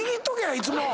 いつも。